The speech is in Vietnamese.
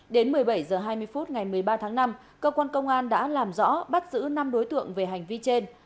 đến một mươi bảy h hai mươi phút ngày một mươi ba tháng năm cơ quan công an đã làm rõ bắt giữ năm đối tượng về hành vi trên